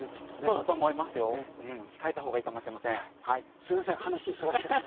すいません話そらしちゃって。